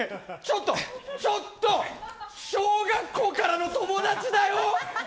ちょっと、小学校からの友達だよ。